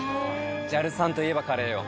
ＪＡＬさんといえばカレーよ。